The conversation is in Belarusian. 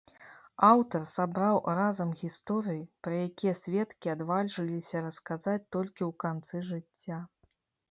Аўтар сабраў разам гісторыі, пра якія сведкі адважыліся расказаць толькі ў канцы жыцця.